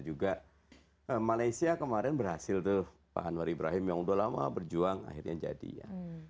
juga malaysia kemarin berhasil tuh pak anwar ibrahim yang udah lama berjuang akhirnya jadi ya